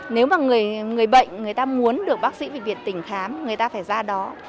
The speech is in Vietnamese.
nếu mà người bệnh người ta muốn được bác sĩ bệnh viện tỉnh khám người ta phải ra đó